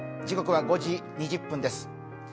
時刻は５時２０分です。